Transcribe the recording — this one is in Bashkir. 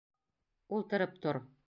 Ултырып тор.